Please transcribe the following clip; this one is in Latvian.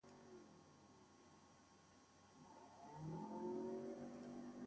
Platību aprēķināšanai uz lauku izmantoju logaritmu lineālu.